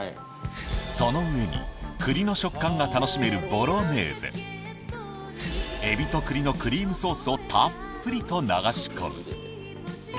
その上に栗の食感が楽しめるボロネーゼエビと栗のクリームソースをたっぷりと流し込み